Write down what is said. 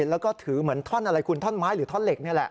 แล้วก็ถือเหมือนท่อนอะไรคุณท่อนไม้หรือท่อนเหล็กนี่แหละ